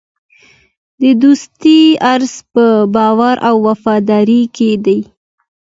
د دوستۍ راز په باور او وفادارۍ کې دی.